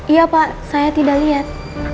iya pak saya tidak lihat